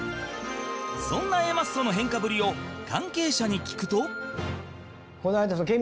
そんな Ａ マッソの変化ぶりを関係者に聞くと